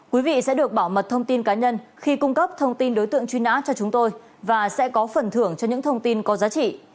quý vị sẽ được bảo mật thông tin cá nhân khi cung cấp thông tin đối tượng truy nã cho chúng tôi và sẽ có phần thưởng cho những thông tin có giá trị